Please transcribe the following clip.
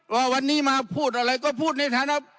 ว่าวันนี้มาพูดอะไรก็พูดในฐานะ